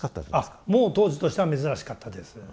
もう当時としては珍しかったです。